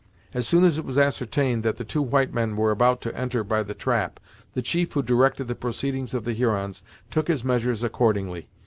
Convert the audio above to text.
As soon as it was ascertained that the two white men were about to enter by the trap, the chief who directed the proceedings of the Hurons took his measures accordingly.